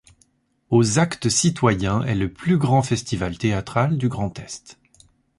Aux Actes Citoyens est le plus grand festival théâtral du Grand-Est.